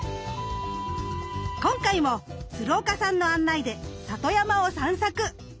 今回も鶴岡さんの案内で里山を散策。